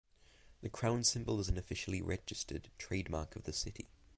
The crown symbol is an officially registered trademark of the city.